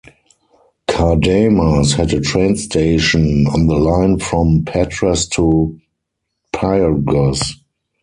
Kardamas had a train station on the line from Patras to Pyrgos.